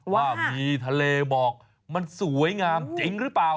ว่ามีทะเลหมอกมันสวยงามจริงหรือเปล่า